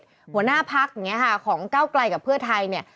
หัวหน้าพักอย่างนี้ค่ะของก้าวไกลกับเพื่อไทยเนี่ย